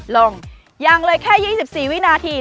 ลองยังเลยแค่๒๔วินาที